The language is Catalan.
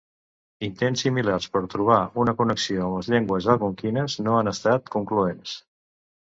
Intents similars per trobar una connexió amb les llengües algonquines no han estat concloents.